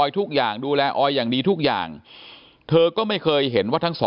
ทุกอย่างดูแลออยอย่างดีทุกอย่างเธอก็ไม่เคยเห็นว่าทั้งสอง